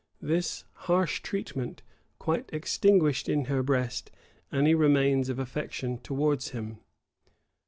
This harsh treatment quite extinguished in her breast any remains of affection towards him.